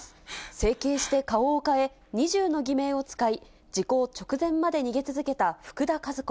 整形して顔を変え、２０の偽名を使い、時効直前まで逃げ続けた福田和子。